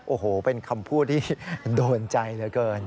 โอ้โหเป็นคำพูดที่โดนใจเหลือเกิน